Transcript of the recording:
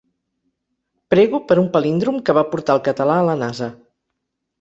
Prego per un palíndrom que va portar el català a la Nasa.